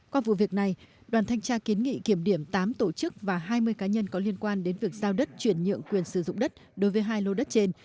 qua vụ việc này đoàn thanh tra kiến nghị kiểm điểm tám tổ chức và hai mươi cá nhân có liên quan đến việc giao đất chuyển nhượng quyền sử dụng đất đối với hai lô đất trên